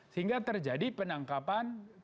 sehingga terjadi penangkapan